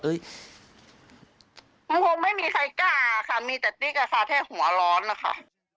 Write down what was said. มันคงไม่มีใครกล้าค่ะมีแต่ติ๊กอะค่ะแค่หัวร้อนนะคะ